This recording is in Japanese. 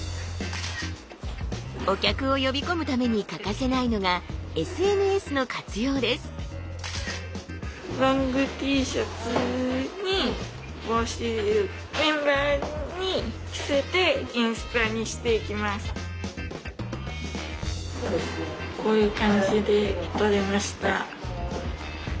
お客を呼び込むために欠かせないのがこういう感じで撮れました。